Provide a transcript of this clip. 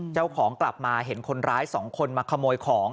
กลับมาเห็นคนร้ายสองคนมาขโมยของ